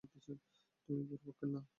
তুমি বর পক্ষের না।